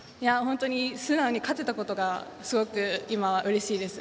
素直に、勝てたことが今はすごくうれしいです。